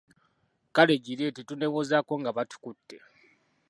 Kale gireete tuneewozaako nga batukutte.